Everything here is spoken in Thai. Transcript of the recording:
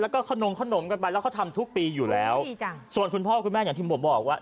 แล้วก็ขนมขนมกันไปแล้วเขาทำทุกปีอยู่แล้วดีจังส่วนคุณพ่อคุณแม่อย่างที่ผมบอกว่า